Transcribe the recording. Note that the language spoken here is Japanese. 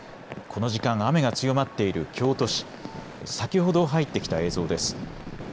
この時間、雨が強まっている京都市、先ほど入ってきた映像です。